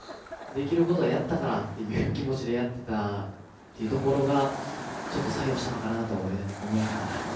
できることはやったからっていう気持ちでやってたっていうところがちょっと作用したのかなと思いながら。